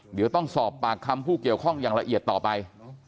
เดี๋ยวต้องสอบปากคำผู้เกี่ยวข้องอย่างละเอียดต่อไป